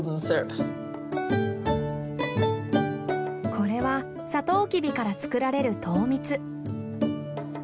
これはサトウキビから作られる糖蜜。